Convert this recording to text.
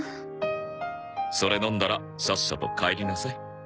それ飲んだらさっさと帰りなさい。